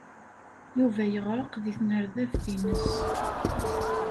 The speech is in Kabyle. Yuba yeɣreq deg tnerdabt-nnes.